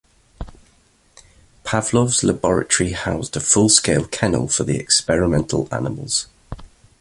Pavlov's laboratory housed a full-scale kennel for the experimental animals.